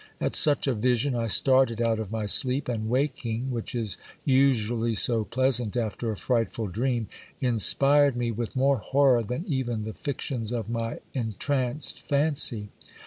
At such a vision I started out of my sleep, and waking, which is usually so pleasant after a 256 GIL BLAS. frightful dream, inspired me with more horror than even the fictions of my en tranced fancy.